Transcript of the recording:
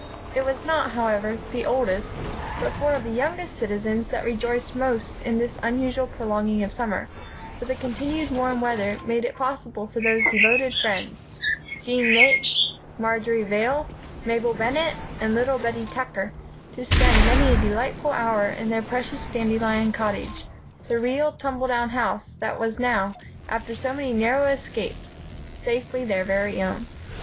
It was not, however, the oldest, but four of the youngest citizens that rejoiced most in this unusual prolonging of summer; for the continued warm weather made it possible for those devoted friends, Jean Mapes, Marjory Vale, Mabel Bennett and little Bettie Tucker, to spend many a delightful hour in their precious Dandelion Cottage, the real, tumble down house that was now, after so many narrow escapes, safely their very own.